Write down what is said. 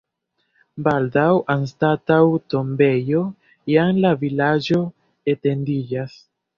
Baldaŭ anstataŭ tombejo jam la vilaĝo etendiĝas.